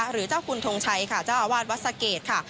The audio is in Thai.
หรือเจ้าคุณทงชัยค่ะเจ้าอาวาสวัดสะเกดค่ะ